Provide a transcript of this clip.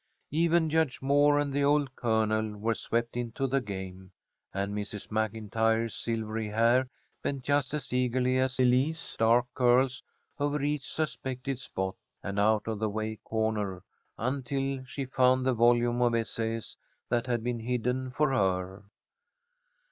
Even Judge Moore and the old Colonel were swept into the game, and Mrs. MacIntyre's silvery hair bent just as eagerly as Elise's dark curls over each suspected spot and out of the way corner until she found the volume of essays that had been hidden for her.